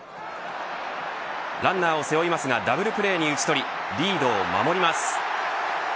ランナーを背負いますがダブルプレーに打ち取りリードを守ります。